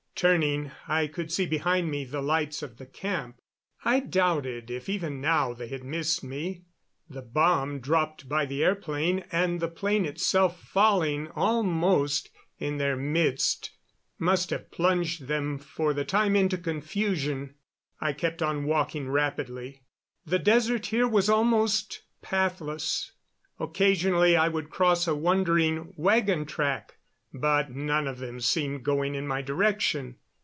Turning, I could see behind me the lights of the camp. I doubted if even now they had missed me. The bomb dropped by the airplane and the plane itself falling almost, in their midst must have plunged them for the time into confusion. I kept on walking rapidly. The desert here was almost pathless; occasionally I would cross a wandering wagon track, but none of them seemed going in my direction.